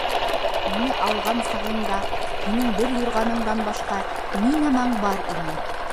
Мине алған сағыңда, һинең бер юрғаныңдан башҡа ни нәмәң бар ине?!